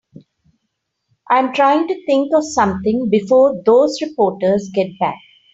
I'm trying to think of something before those reporters get back.